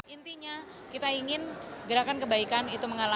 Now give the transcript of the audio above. intinya kita ingin gerakan kebaikan itu